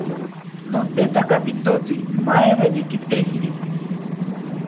Notetaka pitotzi maaweni kitejiri